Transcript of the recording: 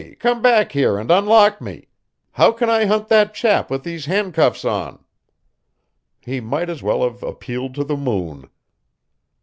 come back here and unlock me! How can I hunt that chap with these handcuffs on?" He might as well have appealed to the moon.